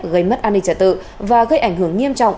gây mất an ninh trả tự và gây ảnh hưởng nghiêm trọng